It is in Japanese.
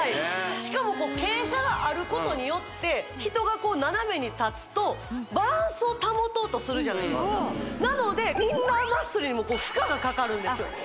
しかもこう傾斜があることによって人がこう斜めに立つとバランスを保とうとするじゃないですかなのでインナーマッスルにも負荷がかかるんですよ